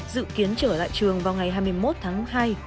dự kiến trở lại trường vào ngày hai mươi một tháng hai